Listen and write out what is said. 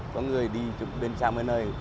có người đi bên xa bên nơi